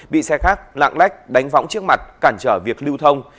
bị xe khác lạng lách đánh võng trước mặt cản trở việc lưu thông